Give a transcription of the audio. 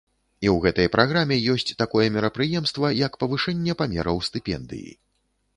І ў гэтай праграме ёсць такое мерапрыемства, як павышэнне памераў стыпендыі.